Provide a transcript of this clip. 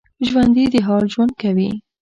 ژوندي د حال ژوند کوي